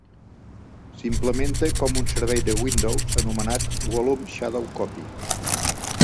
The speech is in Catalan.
S'implementa com un servei de Windows anomenat "Volume Shadow Copy".